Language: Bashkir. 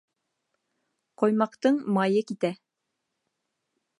Ҡоймаҡтың майы китә.